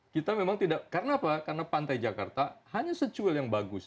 kita memang tidak karena apa karena pantai jakarta hanya secuil yang bagus